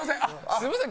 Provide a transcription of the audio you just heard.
すみません。